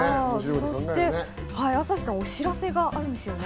そして朝日さん、お知らせがあるんですよね。